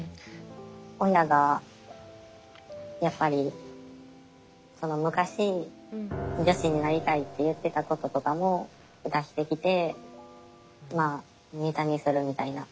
親がやっぱり昔女子になりたいって言ってたこととかも出してきてまあネタにするみたいな。